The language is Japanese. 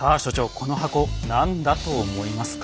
この箱何だと思いますか？